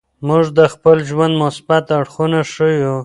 موږ د خپل ژوند مثبت اړخونه ښیو.